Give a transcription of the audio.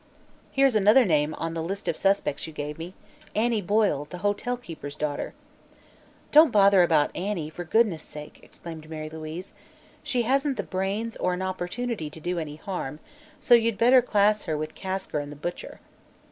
Here's another name on the list of suspects you gave me Annie Boyle, the hotel keeper's daughter." "Don't bother about Annie, for goodness' sake," exclaimed Mary Louise. "She hasn't the brains or an opportunity to do any harm, so you'd better class her with Kasker and the butcher."